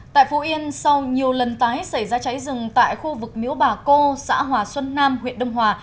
tại phú yên sau nhiều lần tái xảy ra cháy rừng tại khu vực miễu bà cô xã hòa xuân nam huyện đông hòa